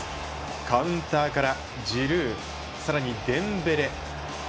カウンターから、ジルーさらにデンベレ。